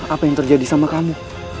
apa yang terjadi sama kamu